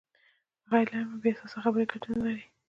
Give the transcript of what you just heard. بغیر له علمه بې اساسه خبرې ګټه نلري.